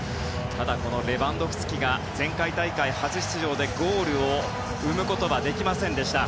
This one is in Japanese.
ただ、レバンドフスキが前回大会、初出場でゴールを生むことはできませんでした。